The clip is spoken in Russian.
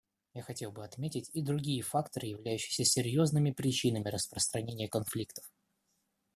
Я хотел бы отметить и другие факторы, являющиеся серьезными причинами распространения конфликтов.